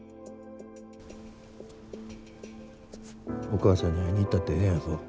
お母ちゃんに会いに行ったってええんやぞ。